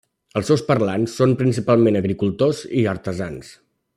Els seus parlants són principalment agricultors i artesans.